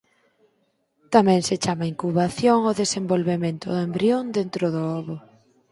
Tamén se chama incubación o desenvolvemento do embrión dentro do ovo.